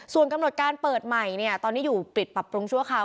ส่วนกำหนดการเปิดใหม่เนี่ยตอนนี้อยู่ปิดปรับปรุงชั่วคราว